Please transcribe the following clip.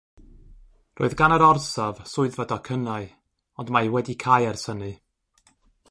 Roedd gan yr orsaf swyddfa docynnau ond mae wedi cau ers hynny.